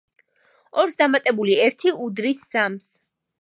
ორს დამატებული ერთი უდრის სამს.